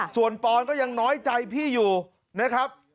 ส่วนปอนก็ยังน้อยใจพี่อยู่นะครับ